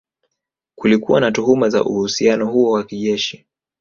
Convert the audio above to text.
Kulikuwa na tuhuma za uhusiano huo wa kijeshi